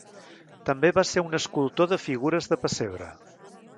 També va ser un escultor de figures de pessebre.